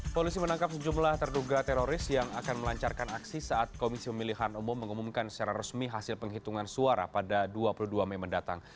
polisi menangkap sejumlah terduga teroris yang akan melancarkan aksi saat komisi pemilihan umum mengumumkan secara resmi hasil penghitungan suara pada dua puluh dua mei mendatang